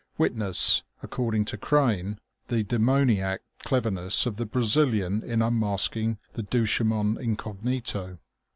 Witness according to Crane the demoniac cleverness of the Brazilian in unmasking the Duchemin incognito.